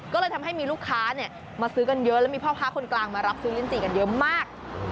ก็เลยทำให้มีลูกค้ามาซื้อกันเยอะแล้วมีพ่อค้าคนกลางมารับซื้อลิ้นจีกันเยอะมาก